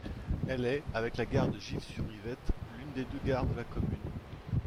Elle est, avec la gare de Gif-sur-Yvette, l'une des deux gares de la commune.